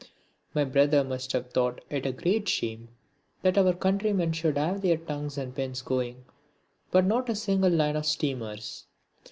My brother must have thought it a great shame that our countrymen should have their tongues and pens going, but not a single line of steamers.